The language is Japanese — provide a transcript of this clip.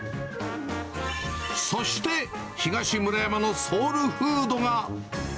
そして、東村山のソウルフードが。